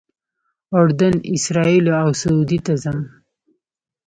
اردن، اسرائیلو او سعودي ته ځم.